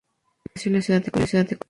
Nació en la ciudad de Colima.